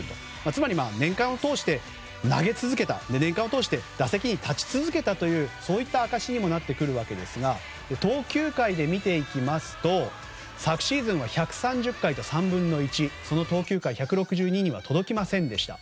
つまり、年間をとおして投げ続けた、年間とおして打席に立ち続けたというそういった証にもなってくるんですが投球回で見ていきますと昨シーズンは１３０回と３分の１でその投球回１６２には届きませんでした。